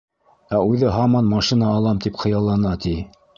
Ә үҙе һаман машина алам, тип хыяллана, ти.